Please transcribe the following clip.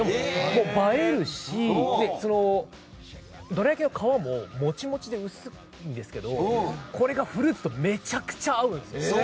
映えるしどら焼きの皮ももちもちで薄いんですけどこれがフルーツとめちゃくちゃ合うんですね。